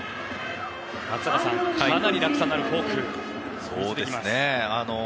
松坂さん、かなり落差のあるフォークを見せてきます。